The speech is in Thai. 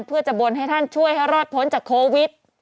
เพื่อจะบนให้ท่านช่วยให้รอดพ้นจากโควิด